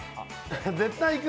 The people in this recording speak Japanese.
絶対行く。